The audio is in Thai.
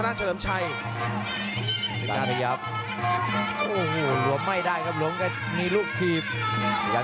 วันนี้นี่อะไรกันนี่ครับ